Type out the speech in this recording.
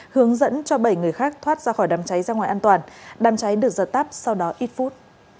hướng dẫn cho bảy người khác thoát ra khỏi đám cháy ra ngoài an toàn đàm cháy được giật tắt sau đó ít phút